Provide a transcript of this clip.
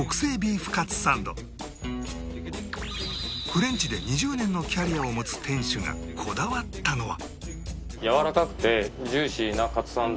フレンチで２０年のキャリアを持つ店主がこだわったのは